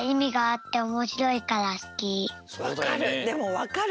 わかる。